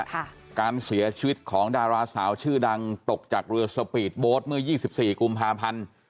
ค่ะการเสียชีวิตของดาราสาวชื่อดังตกจากเรือสปีดโบ๊ทเมื่อ๒๔กุมภาพันธ์